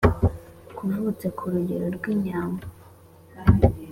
kavutse ku rugero rw' inyambo